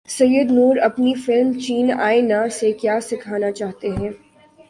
سید نور اپنی فلم چین ائے نہ سے کیا سکھانا چاہتے ہیں